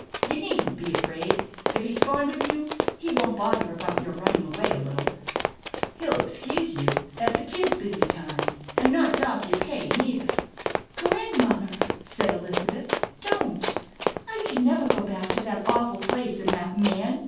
You needn't be afraid. If he's fond of you, he won't bother about your running away a little. He'll excuse you ef 'tis busy times, and not dock your pay neither." "Grandmother!" said Elizabeth. "Don't! I can never go back to that awful place and that man.